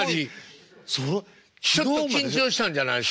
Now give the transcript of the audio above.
ちょっと緊張したんじゃないですか？